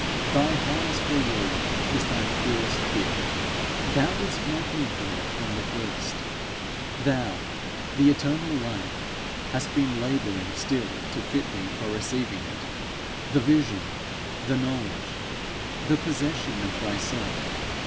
Thy highest reward is thy purest gift; thou didst make me for it from the first; thou, the eternal life, hast been labouring still to fit me for receiving it the vision, the knowledge, the possession of thyself.